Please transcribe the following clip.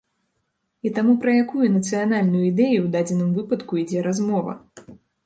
І таму пра якую нацыянальную ідэю ў дадзеным выпадку ідзе размова?